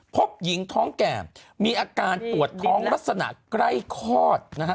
พบหญิงท้องแก่มีอาการปวดท้องลักษณะใกล้คลอดนะฮะ